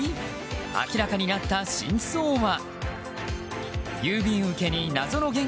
明らかになった真相は。